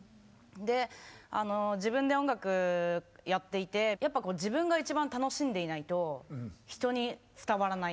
自分で音楽やっていてやっぱこう自分が一番楽しんでいないと人に伝わらない。